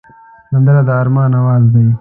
سندره د ارمان آواز دی